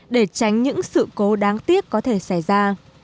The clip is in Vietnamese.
để tránh những sự cố đáng tiếc có thể xảy ra